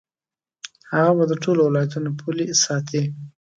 هغه به د ټولو ولایاتو پولې ساتي.